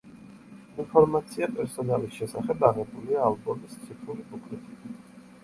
ინფორმაცია პერსონალის შესახებ აღებულია ალბომის ციფრული ბუკლეტიდან.